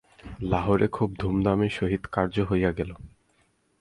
লাহোরে খুব ধুমধামের সহিত কার্য হইয়া গেল।